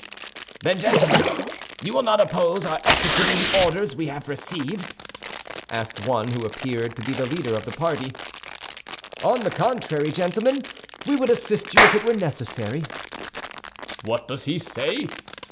"Then, gentlemen, you will not oppose our executing the orders we have received?" asked one who appeared to be the leader of the party. "On the contrary, gentlemen, we would assist you if it were necessary." "What does he say?"